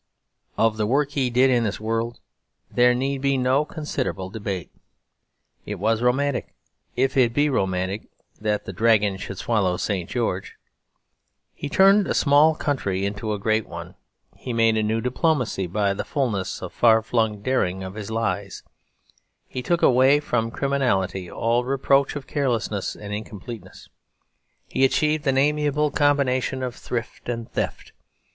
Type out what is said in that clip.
Of the work he did in this world there need be no considerable debate. It was romantic, if it be romantic that the dragon should swallow St. George. He turned a small country into a great one: he made a new diplomacy by the fulness and far flung daring of his lies: he took away from criminality all reproach of carelessness and incompleteness. He achieved an amiable combination of thrift and theft.